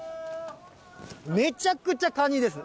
めちゃくちゃカニです。